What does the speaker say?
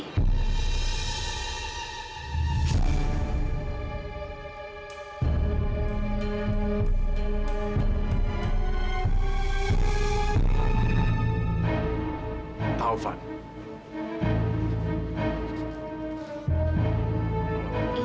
kak sebenarnya taufan itu siapa sih